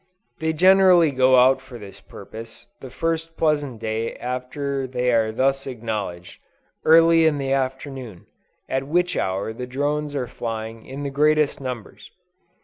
They generally go out for this purpose, the first pleasant day after they are thus acknowledged, early in the afternoon, at which hour the drones are flying in the greatest numbers.